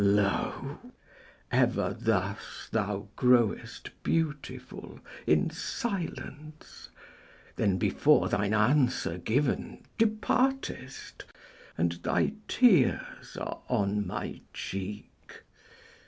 Lo! ever thus thou growest beautiful In silence, then before thine answer given Departest, and thy tears are on my cheek.